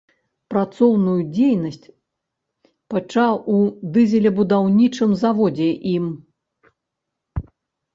Працоўную дзейнасць пачаў у дызелебудаўнічым заводзе ім.